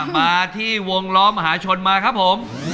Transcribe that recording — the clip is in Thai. มาที่วงล้อมหาชนมาครับผม